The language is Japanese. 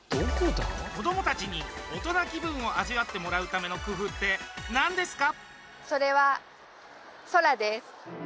子どもたちに大人気分を味わってもらうための工夫ってなんですか？